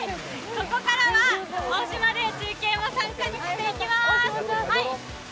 ここからは大島で中継に参加していきます。